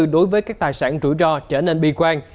đối với các tài sản rủi ro trở nên bi quan